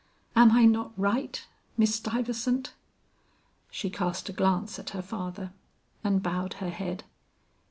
Am I not right, Miss Stuyvesant?" She cast a glance at her father, and bowed her head.